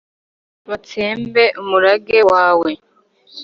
batsembe umurage wawe